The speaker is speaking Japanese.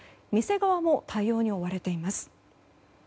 店側も対応に追われています。